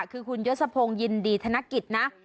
คือคุณยศพงยินดีธนกิจนะ